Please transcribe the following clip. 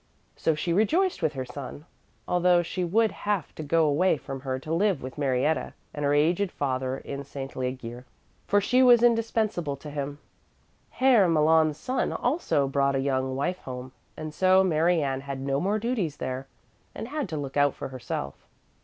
So she rejoiced with her son, although he would have to go away from her to live with Marietta and her aged father in St. Legier, for she was indispensable to him. Herr Malon's son also brought a young wife home, and so Mary Ann had no more duties there, and had to look out for herself.